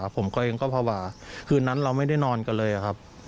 ผมก็เองก็ภาวะคืนนั้นเราไม่ได้นอนกันเลยครับ